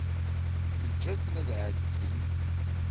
Yeǧǧa-ten ad ɛeddin.